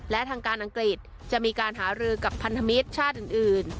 และทางการอังกฤษจะมีการหารือกับพันธมิตรชาติอื่น